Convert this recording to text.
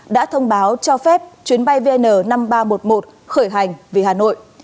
đã thông báo cho phép chuyến bay vn năm nghìn ba trăm một mươi một khởi hành vì hà nội